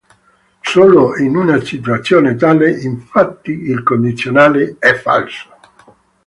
Solo in una situazione tale, infatti, il condizionale è falso.